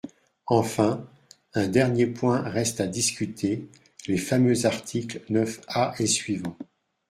Enfin, un dernier point reste à discuter : les fameux articles neuf A et suivants.